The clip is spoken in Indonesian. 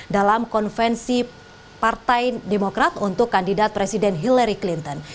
dalam konvensi partai demokrat untuk kandidat presiden hillary clinton